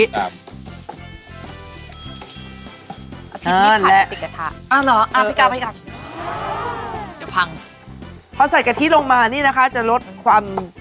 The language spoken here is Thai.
นี่แหละเอาหนอเอาพี่กัลไปกันเดี๋ยวพังพอใส่กะทิลงมานี่นะคะจะลดความ